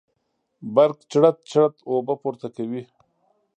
برق چړت چړت اوبه پورته کوي.